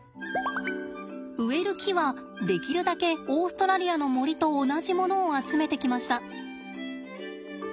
植える木はできるだけオーストラリアの森と同じものを集めてきました。